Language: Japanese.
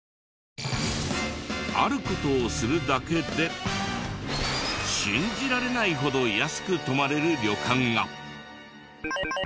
ある事をするだけで信じられないほど安く泊まれる旅館が！